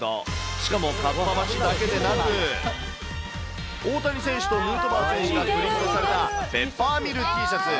しかも合羽橋だけでなく、大谷選手とヌートバー選手がプリントされたペッパーミルＴシャツ。